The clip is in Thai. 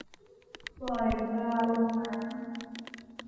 ปล่อยปลาลงน้ำ